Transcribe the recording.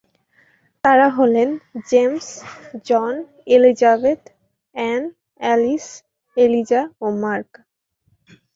তারা হলেন James, John, Elizabeth, Anne, Alice, Eliza, ও মার্ক।